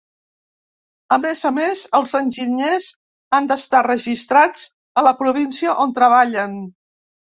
A més a més, els enginyers han d'estar registrats a la província on treballen.